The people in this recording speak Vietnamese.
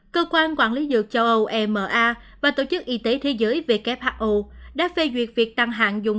cơ quan quản lý dược châu âu ema và tổ chức y tế thế giới who đã phê duyệt việc tăng hạn dùng